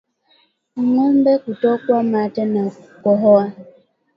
Ngombe kutokwa mate na kukohoa